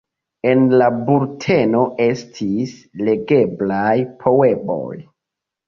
En la bulteno estis legeblaj poemoj, noveloj, eseoj.